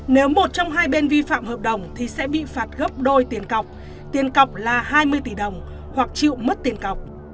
nếu một trong hai bên vi phạm hợp đồng thì sẽ bị phạt gấp đôi tiền cọc tiền cọc là hai mươi tỷ đồng hoặc chịu mất tiền cọc